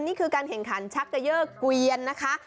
นี่คือการแข่งขันชักเกยอร์เกวียนนะคะ